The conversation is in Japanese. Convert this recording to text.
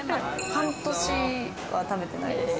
半年は食べてないです。